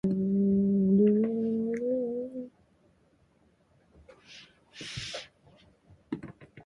大鳥氏はそれを聞きますと、落胆のあまり、そこへしりもちをついたまま、口をきく元気もなく、しばらくのあいだぼんやりと、床下のやみのなかをながめていました